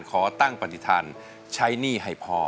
ขอตั้งปฏิฐานใช้หนี้ให้พอ